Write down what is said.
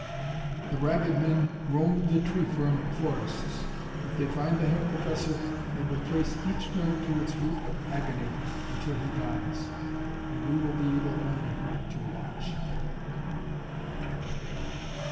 The Ragged Men roam the tree fern forests. If they find the Herr Professor they will trace each nerve to its root of agony until he dies. And we will be able only to watch...."